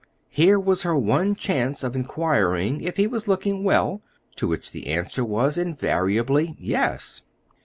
Here was her one chance of inquiring if he was looking well, to which the answer was invariably "yes."